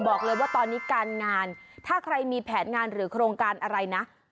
บอกเลยว่าตอนนี้การงานถ้าใครมีแผนงานหรือโครงการอะไรนะ